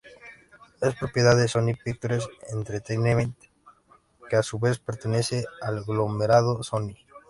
Es propiedad de Sony Pictures Entertainment que a su vez pertenece al conglomerado Sony.